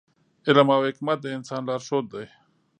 علم او حکمت د انسان لارښود دی.